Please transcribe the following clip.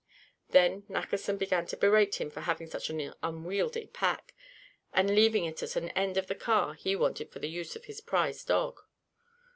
Then Nackerson began to berate them for having such an unwieldy pack, and leaving it at an end of the car he wanted for the use of his prize dog.